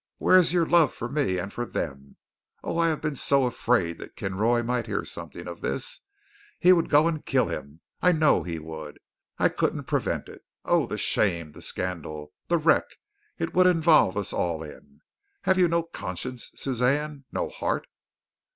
Where is your love for me and for them? Oh, I have been so afraid that Kinroy might hear something of this. He would go and kill him. I know he would. I couldn't prevent it. Oh, the shame, the scandal, the wreck, it would involve us all in. Have you no conscience, Suzanne; no heart?"